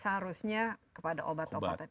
seharusnya kepada obat obatan